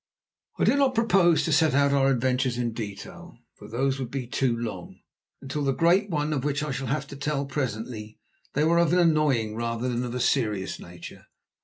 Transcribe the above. I do not propose to set out our adventures in detail, for these would be too long. Until the great one of which I shall have to tell presently, they were of an annoying rather than of a serious nature.